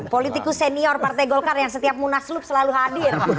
politikus senior partai golkar yang setiap munaslup selalu hadir